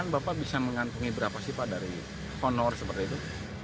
bapak bisa mengantungi berapa sih pak dari honor seperti itu